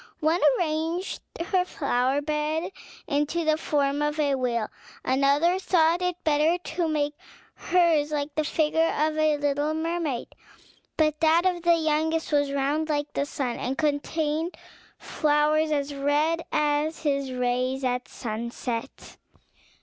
One arranged her flower bed into the form of a whale; another thought it better to make hers like the figure of a little mermaid; but that of the youngest was round like the sun, and contained flowers as red as his rays at sunset.